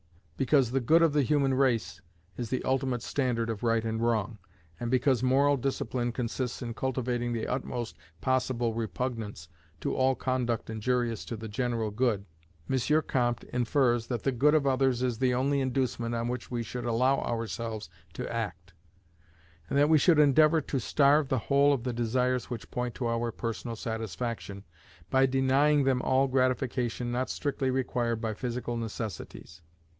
Because the good of the human race is the ultimate standard of right and wrong, and because moral discipline consists in cultivating the utmost possible repugnance to all conduct injurious to the general good, M. Comte infers that the good of others is the only inducement on which we should allow ourselves to act; and that we should endeavour to starve the whole of the desires which point to our personal satisfaction, by denying them all gratification not strictly required by physical necessities.